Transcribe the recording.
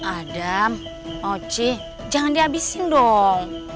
adam moci jangan di abisin dong